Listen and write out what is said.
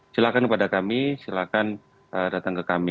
silakan kepada kami silakan datang ke kami